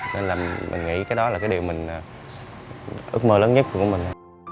nên là mình nghĩ cái đó là cái điều mình ước mơ lớn nhất của mình